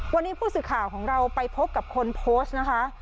วันนี้ผู้สื่อข่าวของเราไปพบกับคนโพสต์นะคะ